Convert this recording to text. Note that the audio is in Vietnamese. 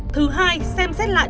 thứ hai xem xét lại